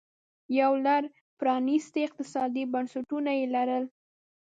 یو لړ پرانیستي اقتصادي بنسټونه یې لرل